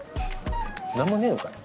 何もねえのかよ。